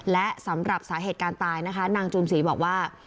และสำหรับสาเหตุการณ์ตายนะคะนางจูนศรีบอกว่า